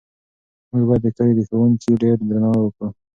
موږ باید د کلي د ښوونکي ډېر درناوی وکړو.